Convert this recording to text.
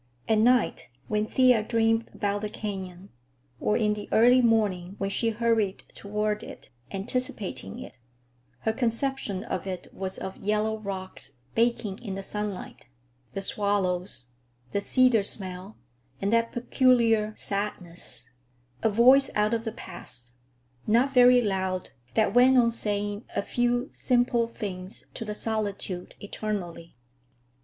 At night, when Thea dreamed about the canyon,—or in the early morning when she hurried toward it, anticipating it,—her conception of it was of yellow rocks baking in sunlight, the swallows, the cedar smell, and that peculiar sadness—a voice out of the past, not very loud, that went on saying a few simple things to the solitude eternally.